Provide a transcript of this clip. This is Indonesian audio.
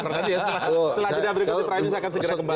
setelah tidak berikutnya perani saya akan segera kembali